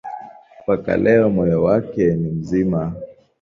Mpaka leo moyo wake ni mzima.